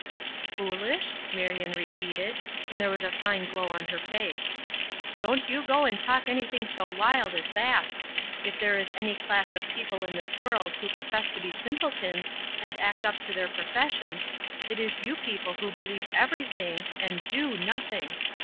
"Foolish?" Marion repeated, and there was a fine glow on her face. "Don't you go and talk anything so wild as that! If there is any class of people in this world who profess to be simpletons, and act up to their professions, it is you people who believe everything and do nothing.